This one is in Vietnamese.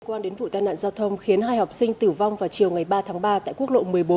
quan đến vụ tai nạn giao thông khiến hai học sinh tử vong vào chiều ngày ba tháng ba tại quốc lộ một mươi bốn